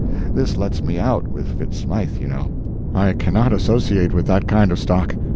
This lets me out with Fitz Smythe, you know. I cannot associate with that kind of stock.